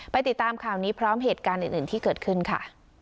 ติดตามข่าวนี้พร้อมเหตุการณ์อื่นที่เกิดขึ้นค่ะ